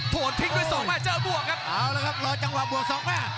โทนทิ้งด้วยสองแม่เจอบวกครับเอาละครับรอจังหวะบวกสองแม่